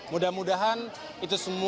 mudah mudahan itu semua bisa dikawal oleh kogasma